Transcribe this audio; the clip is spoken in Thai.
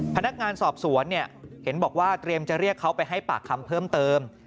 พนักงานสอบสวนเห็นบอกว่าเตรียมจะเรียกเขาไปให้ปากคำเพิ่มเติม